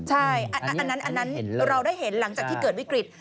ใช่อันนั้นเราได้เห็นหลังจากที่เกิดวิกฤต